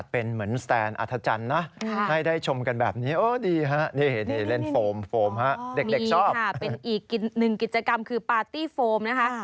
เป็นอีกหนึ่งกิจกรรมคือปาร์ตี้ฟรมนะคะ